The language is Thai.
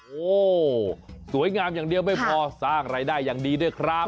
โอ้โหสวยงามอย่างเดียวไม่พอสร้างรายได้อย่างดีด้วยครับ